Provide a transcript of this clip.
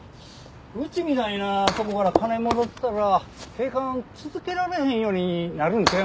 うちみたいなとこから金もろうたら警官続けられへんようになるんちゃいまっしゃろか。